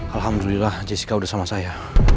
alhamdulillah jessica udah sama saya